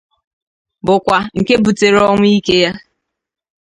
bụkwa nke butere ọnwụ ike ya.